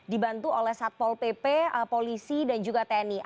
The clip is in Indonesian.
dibantu oleh satpol pp polisi dan juga tni